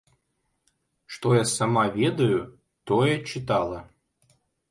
Што я сама ведаю, тое чытала.